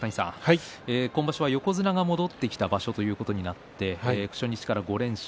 今場所は横綱が戻ってきた場所ということになって初日から５連勝。